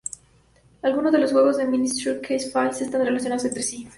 Algunos de los juegos de Mystery Case Files están relacionados entre sí.